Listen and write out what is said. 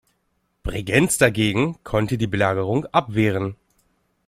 Bregenz dagegen konnte die Belagerung abwehren.